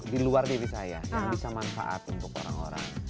di luar diri saya yang bisa manfaat untuk orang orang